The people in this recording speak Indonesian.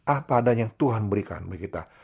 apa adanya tuhan berikan bagi kita